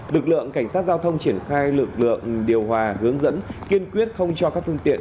lực lượng cảnh sát giao thông triển khai lực lượng điều hòa hướng dẫn kiên quyết không cho các phương tiện